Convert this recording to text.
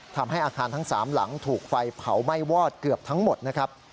ทำให้อาคารทั้ง๓หลังถูกไฟเผาไหม้วอดเกือบทั้งหมดนะครับ